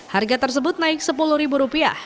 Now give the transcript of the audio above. harga tersebut naik sepuluh ribu rupiah